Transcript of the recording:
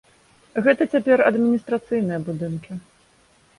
Гэта цяпер адміністрацыйныя будынкі.